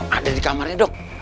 ada di kamarnya dok